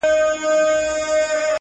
هم ښکنځلي پکښي وسوې هم جنګونه-